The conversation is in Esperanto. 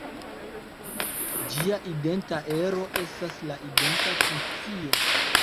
Ĝia identa ero estas la identa funkcio.